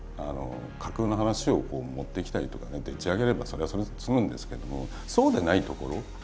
架空の話を持ってきたりとかねでっち上げればそれはそれで済むんですけどもそうでないところ。